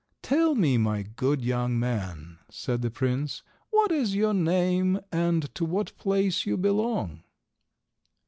"Tell me, my good young man," said the prince, "what is your name, and to what place you belong?"